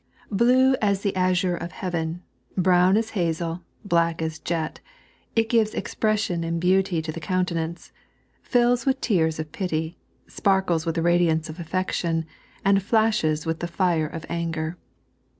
Blue as the azure of heaven, brown as hazel, black as jet, it gives expression and beauty to the countenance, fills with tears of pity, sparkles with the radiance of affection, and flasheB with the fire of anger.